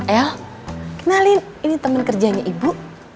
el kenalin ini teman kerjanya ibu